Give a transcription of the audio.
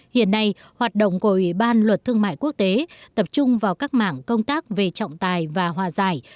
hiện nay hoạt động của ủy ban luật thương mại quốc tế tập trung vào các mảng công tác về trọng tài và hòa giải